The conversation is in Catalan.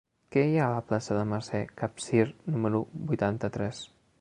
Què hi ha a la plaça de Mercè Capsir número vuitanta-tres?